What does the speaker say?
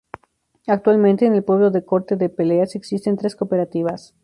Actualmente en el pueblo de Corte de Peleas existen tres cooperativas.